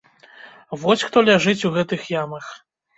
Вось хто ляжыць у гэтых ямах.